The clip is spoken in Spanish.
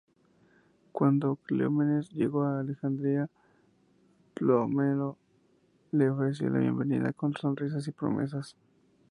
Cuando Cleómenes llegó a Alejandría, Ptolomeo le ofreció la bienvenida con sonrisas y promesas.